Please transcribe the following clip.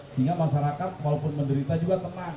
sehingga masyarakat walaupun menderita juga tenang